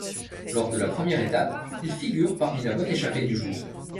Lors de la première étape, il figure parmi la bonne échappée du jour.